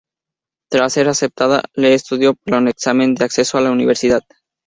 Tras ser aceptada, Lee estudió para el examen de acceso a la Universidad.